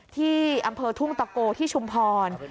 ที่อำเภอทุ่งตะโกที่ชุมพร